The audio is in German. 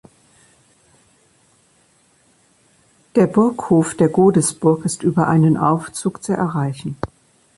Der Burghof der Godesburg ist über einen Aufzug zu erreichen.